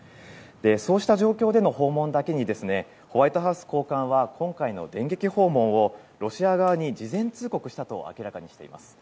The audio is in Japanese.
そうした状況での訪問だけにホワイトハウス高官は今回の電撃訪問をロシア側に事前通告したと明らかにしています。